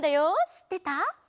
しってた？